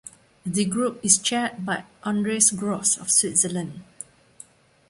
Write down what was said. The Group is chaired by Andreas Gross of Switzerland.